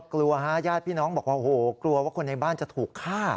กลัวฮะญาติพี่น้องบอกว่าโอ้โหกลัวว่าคนในบ้านจะถูกฆ่า